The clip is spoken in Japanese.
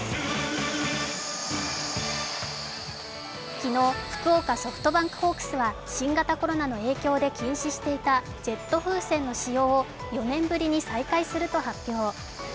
昨日、福岡ソフトバンクホークスは新型コロナの影響で禁止していたジェット風船の使用を４年ぶりに再開すると発表。